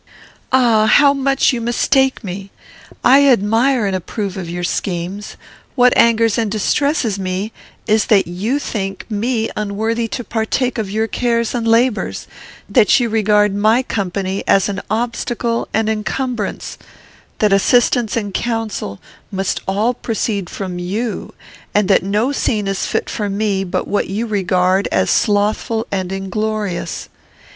"Ah! how much you mistake me! I admire and approve of your schemes. What angers and distresses me is, that you think me unworthy to partake of your cares and labours; that you regard my company as an obstacle and encumbrance; that assistance and counsel must all proceed from you; and that no scene is fit for me, but what you regard as slothful and inglorious.